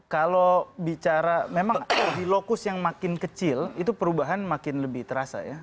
kalau bicara memang di lokus yang makin kecil itu perubahan makin lebih terasa ya